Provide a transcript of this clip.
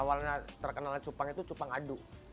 awalnya terkenalnya cupang itu cupang adu